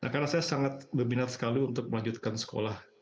karena saya sangat berminat sekali untuk melanjutkan sekolah